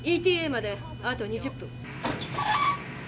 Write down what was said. ＥＴＡまであと２０分。